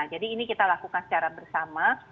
jadi ini kita lakukan secara bersama